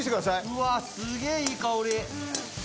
うわすげぇいい香り。